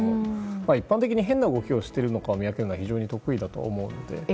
一般的に変な動きをしているのかを見分けるのは得意だと思うので。